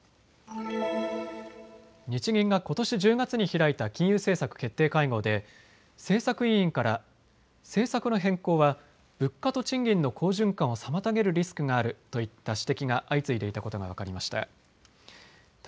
日銀がことし１０月に開いた金融政策決定会合で政策委員から政策の変更は物価と賃金の好循環を妨げるリスクがあるといった指摘が相次いでいたことが分かりました。